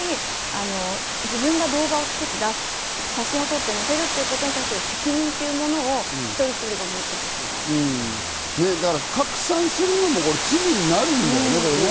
自分が動画を作って出す、写真を撮って、載せるということに対する責任というのを一人一人が持っ拡散するのも罪になるんだよね、これね。